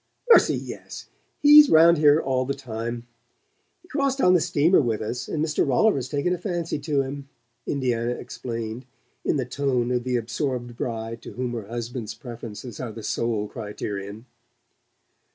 "Mercy, yes! He's round here all the time. He crossed on the steamer with us, and Mr. Rolliver's taken a fancy to him," Indiana explained, in the tone of the absorbed bride to whom her husband's preferences are the sole criterion.